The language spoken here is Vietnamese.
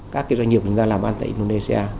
các cái doanh nghiệp chúng ta làm ăn tại indonesia